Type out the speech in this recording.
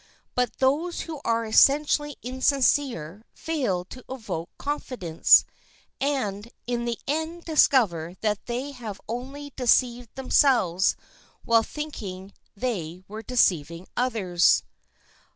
But those who are essentially insincere fail to evoke confidence, and, in the end discover that they have only deceived themselves while thinking they were deceiving others.